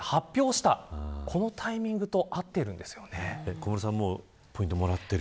小室さんもポイントもらってる。